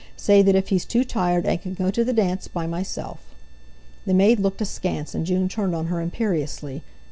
Say that if he's too tired I can go to the dance by myself." The maid looked askance, and June turned on her imperiously.